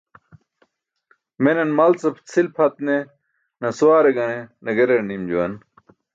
Menan mal ce cʰil pʰat ne nasawaare gane nagerar nim juwan.